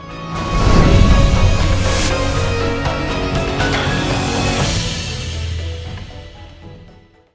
โปรดติดตามตอนต่อไป